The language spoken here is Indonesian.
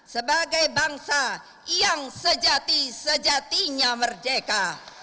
sebagai bangsa yang sejati sejatinya merdeka